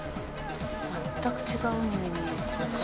「全く違う海に見える」